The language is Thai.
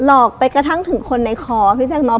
หลอกไปกระทั่งถึงคนในคอพี่แจ๊คเนาะ